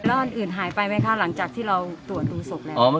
แล้วอันอื่นหายไปไหมคะหลังจากที่เราตรวจดูศพแล้ว